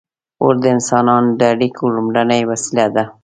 • اور د انسانانو د اړیکو لومړنۍ وسیله وه.